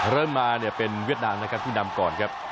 เริ่มมาเนี่ยเป็นเวียดนามนะครับที่นำก่อนครับ